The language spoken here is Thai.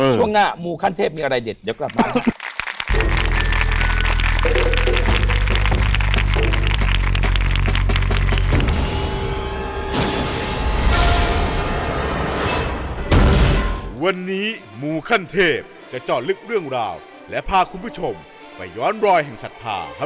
ช่วงหน้ามูขั้นเทพมีอะไรเด็ดเดี๋ยวกลับมาครับ